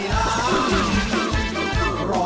ร้องได้ให้ร้าง